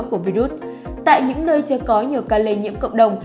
của virus tại những nơi chưa có nhiều ca lây nhiễm cộng đồng